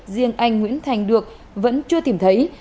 riêng anh nguyễn thành được vẫn chưa tìm thấy